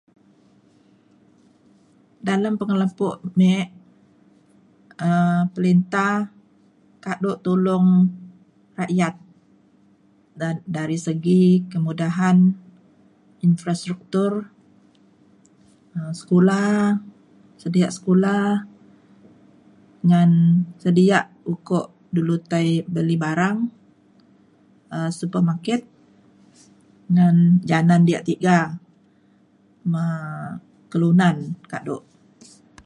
Dalem pengelepo me um pelinta kado tulong rakyat da- dari segi kemudahan infrastruktur ngan sekula sedia sekula ngan sedia ukok dulu tai beli barang um supermarket ngan janen ia’ tiga me kelunan kado